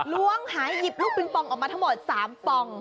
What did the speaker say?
ล้วงหายหยิบลูกปิงปองออกมาทั้งหมด๓ปอง